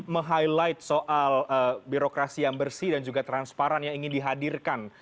meng highlight soal birokrasi yang bersih dan juga transparan yang ingin dihadirkan